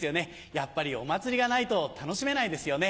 やっぱりお祭りがないと楽しめないですよね。